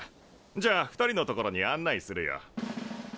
じゃあ２人の所に案内するよ。